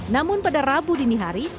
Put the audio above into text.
namun pada rabu dini hari